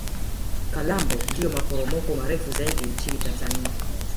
Kalambo ndio maporomoko marefu zaidi nchini tanzania